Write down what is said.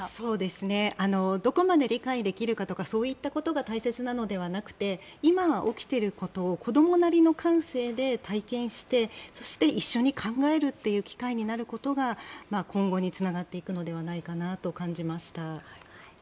どこまで理解できるかとかそういったことが大切なのではなくて今、起きていることを子どもなりの感性で体験して、そして一緒に考えるっていう機会になることが今後につながっていくのではないかなと感じました。